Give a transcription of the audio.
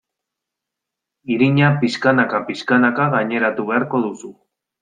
Irina pixkanaka-pixkanaka gaineratu beharko duzu.